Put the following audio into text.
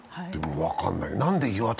でも分かんない。